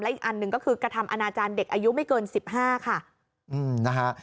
อีกอันหนึ่งก็คือกระทำอนาจารย์เด็กอายุไม่เกิน๑๕ค่ะนะฮะ